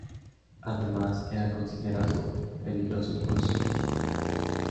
Además, era considerado peligroso por sus visitantes.